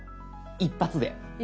一発で。